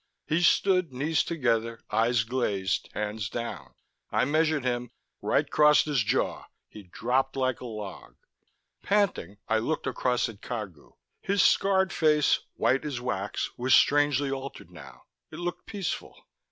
He stood, knees together, eyes glazed, hands down. I measured him, right crossed his jaw; he dropped like a log. Panting, I looked across at Cagu. His scarred face, white as wax, was strangely altered now; it looked peaceful.